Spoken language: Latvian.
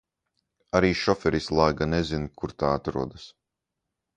Arī šoferis lāga nezin, kur tā atrodas.